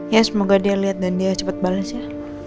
ya semoga dia liat dan dia cepet bales ya